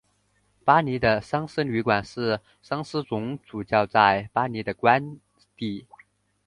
巴黎的桑斯旅馆是桑斯总主教在巴黎的官邸。